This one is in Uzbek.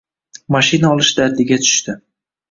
Mashina olish dardiga tushdi.